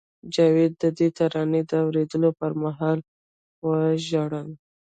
جاوید د دې ترانې د اورېدو پر مهال وژړل